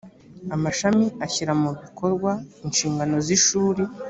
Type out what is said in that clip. amashami ashyira mu bikorwa inshingano z ishuri